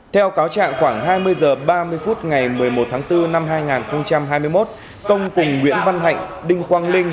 theo cáo trạng khoảng hai mươi h ba mươi phút ngày một mươi một tháng bốn năm hai nghìn hai mươi một công cùng nguyễn văn hạnh đinh quang linh